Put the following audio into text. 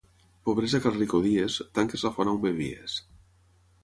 Pobresa que al ric odies, tanques la font on bevies.